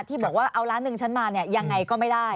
ที่บอกว่าเอาล้านหนึ่งฉันมาเนี่ยยังไงก็ไม่ได้